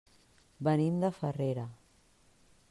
Venim de Farrera.